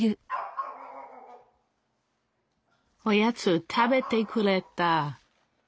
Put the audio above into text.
おやつ食べてくれた！